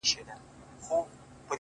د دوبي ټکنده غرمې د ژمي سوړ سهار مي ـ